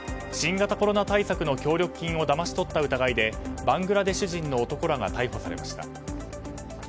新型コロナ対策の協力金をだまし取った疑いでバングラデシュ人の男らが逮捕されました。